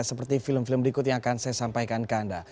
seperti film film berikut yang akan saya sampaikan ke anda